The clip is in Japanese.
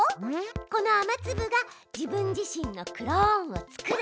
この雨つぶが「自分自身のクローンを作る」。